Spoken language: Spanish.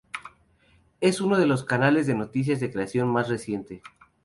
Es uno de los canales de noticias de creación más reciente.